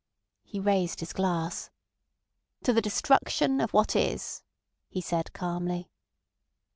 He raised his glass. "To the destruction of what is," he said calmly.